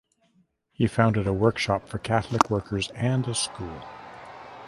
He founded a workshop for Catholic workers and a school.